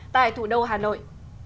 tại thủ đô hà nội